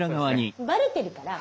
バレてるから。